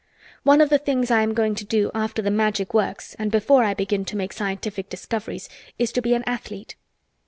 "One of the things I am going to do, after the Magic works and before I begin to make scientific discoveries, is to be an athlete."